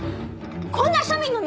こんな庶民の店